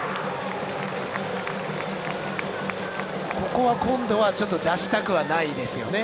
ここは今度は出したくはないですよね。